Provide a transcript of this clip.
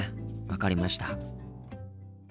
分かりました。